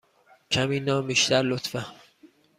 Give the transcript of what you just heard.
کمی نان بیشتر، لطفا.